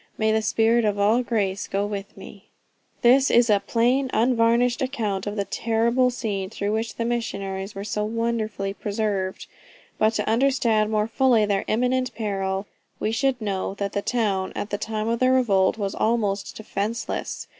May the spirit of all grace go with me!" This is a "plain unvarnished" account of the terrible scene through which the missionaries were so wonderfully preserved, but to understand more fully their imminent peril we should know, that the town, at the time of the revolt, was almost defenceless.